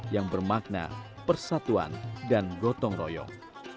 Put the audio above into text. yang bermakna persatuan dan gotong royong